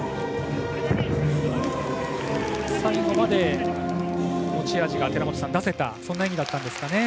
最後まで持ち味が出せたそんな演技だったんですかね。